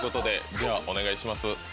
ではお願いします。